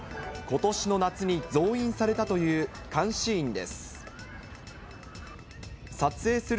ことしの夏に増員されたという監視員です。